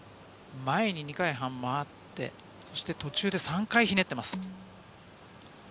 前に２回半回って、そして途中で３回ひねっています。